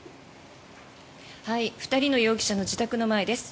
２人の容疑者の自宅の前です。